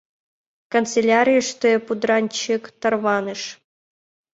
Канцелярийыште пудранчык тарваныш.